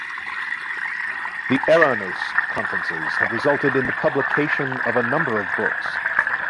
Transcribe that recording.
The Eranos conferences have resulted in the publication of a number of books.